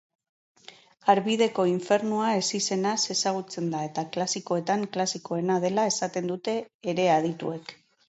Harbideko infernua ezizenaz ezagutzen da eta klasikoetan klasikoena dela esaten dute ere adituek.